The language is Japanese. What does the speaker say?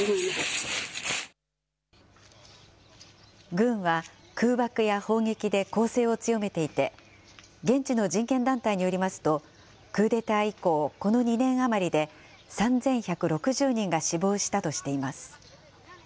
軍は空爆や砲撃で攻勢を強めていて、現地の人権団体によりますと、クーデター以降、この２年余りで３１６０人が死亡したとしています。